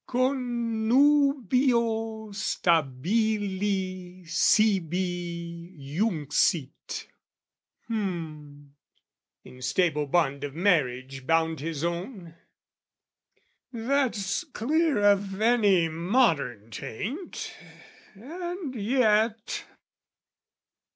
Connubio stabili sibi junxit, hum! In stable bond of marriage bound his own? That's clear of any modern taint: and yet...